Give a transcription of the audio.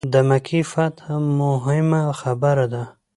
د مکې فتح موهمه خبره ده.